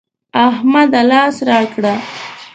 احمده! لاس راکړه.